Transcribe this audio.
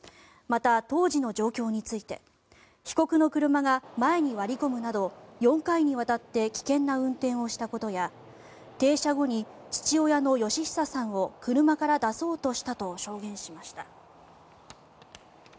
また、当時の状況について被告の車が前に割り込むなど４回にわたって危険な運転をしたことや停車後に父親の嘉久さんを車から出そうとしたと証言しました。